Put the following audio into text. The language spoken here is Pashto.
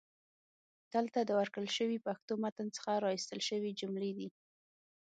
دلته د ورکړل شوي پښتو متن څخه را ایستل شوي جملې دي: